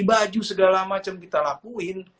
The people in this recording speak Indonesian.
baju segala macam kita lakuin